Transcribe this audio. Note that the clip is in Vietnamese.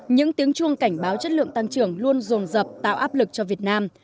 những tiếng chuông cảnh báo chất lượng tăng trưởng luôn dồn dập tạo áp lực cho việt nam